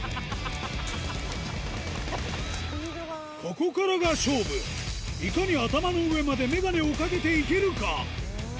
ここからが勝負いかに頭の上までメガネをかけていけるか？